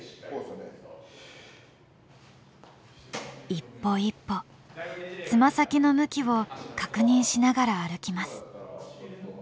一歩一歩爪先の向きを確認しながら歩きます。